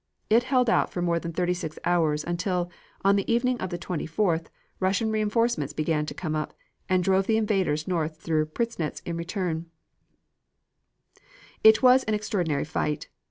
It held out for more than thirty six hours, until, on the evening of the 24th, Russian reinforcements began to come up, and drove the invaders north through Przasnysz in retreat. It was an extraordinary fight.